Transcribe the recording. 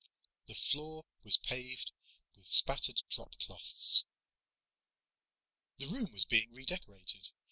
The floor was paved with spattered dropcloths. The room was being redecorated.